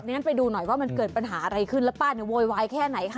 งั้นไปดูหน่อยว่ามันเกิดปัญหาอะไรขึ้นแล้วป้าเนี่ยโวยวายแค่ไหนคะ